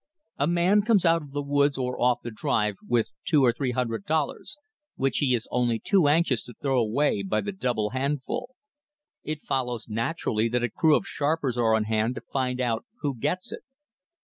A man comes out of the woods or off the drive with two or three hundred dollars, which he is only too anxious to throw away by the double handful. It follows naturally that a crew of sharpers are on hand to find out who gets it.